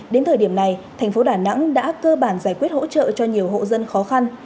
đến thời điểm này thành phố đà nẵng đã cơ bản giải quyết hỗ trợ cho nhiều hộ dân khó khăn